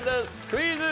クイズ。